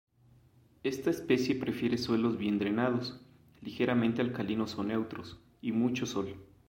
Esta especie prefiere suelos bien drenados, ligeramente alcalinos o neutros, y mucho sol.